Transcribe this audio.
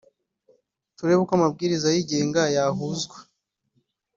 turebe uko amabwiriza ayigenga yahuzwa